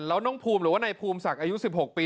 แล้วน้องภูมิหรือว่านายภูมิศักดิ์อายุ๑๖ปี